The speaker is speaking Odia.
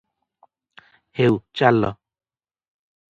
"ହେଉ ଚାଲ-"